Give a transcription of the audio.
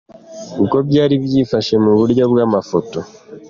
Uko byari byifashe mu buryo bw’amafoto.